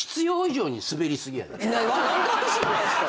何で私なんですか？